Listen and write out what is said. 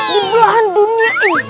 di belahan dunia ini